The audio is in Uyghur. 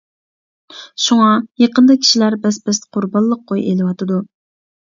شۇڭا، يېقىندا كىشىلەر بەس-بەستە قۇربانلىق قوي ئېلىۋاتىدۇ.